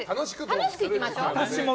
楽しくいきましょう！